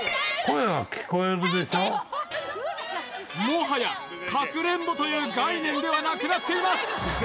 もはやかくれんぼという概念ではなくなっています